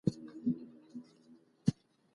زه دهلمند ولایت اوسیدونکی یم.